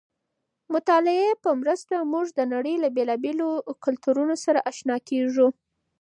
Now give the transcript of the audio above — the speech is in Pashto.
د مطالعې په مرسته موږ د نړۍ له بېلابېلو کلتورونو سره اشنا کېږو.